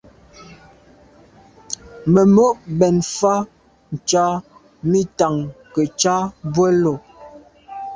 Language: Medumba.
Memo’ bèn mfa’ ntsha mi ntàn ke ntsha bwe’e lo.